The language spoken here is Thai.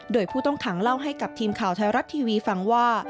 โดยผู้ต้องขังเล่าให้กับทีมข่าวไทยรัฐทีวีฟังว่า